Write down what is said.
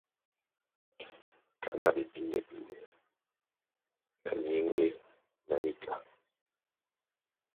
Kaná ɓepíndɛ́píndɛ na myeŋge na níka.